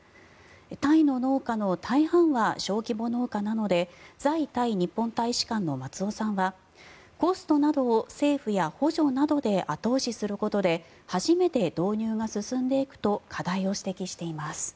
タイの農家の大半は小規模農家などで在タイ日本大使館の松尾さんはコストなどを政府や補助などで後押しすることで初めて導入が進んでいくと課題を指摘しています。